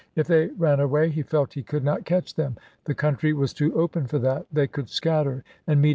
If they ran away he felt he could not catch them ; the country was too open for that ; thev could scatter and meet